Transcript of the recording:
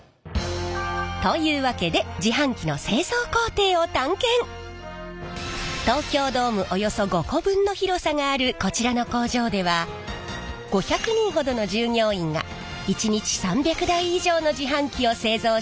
というわけで東京ドームおよそ５個分の広さがあるこちらの工場では５００人ほどの従業員が１日３００台以上の自販機を製造しています。